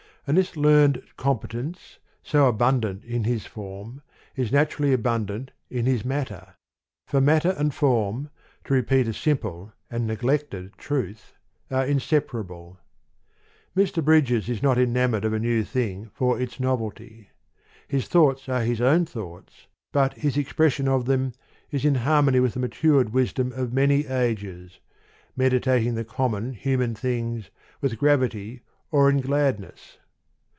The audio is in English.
And this learned competence, so abundant in his form, is naturally abundant in his matter : for matter and form, to repeat a simple and neglected truth, are inseparable. Mr. Bridges is not enamoured of a new thing, for its novelty: his thoughts are his own thoughts, but his expression of them is in harmony with the matured wisdom of many ages, meditating the common, human things, with gravity or in gladness.